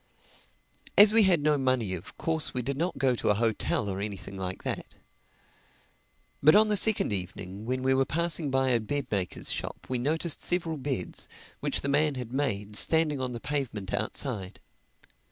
As we had no money of course we did not go to a hotel or anything like that. But on the second evening when we were passing by a bed maker's shop we noticed several beds, which the man had made, standing on the pavement outside.